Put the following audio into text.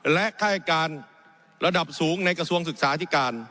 และค่ายการระดับสูงในกระทรวงศึกษาที่การ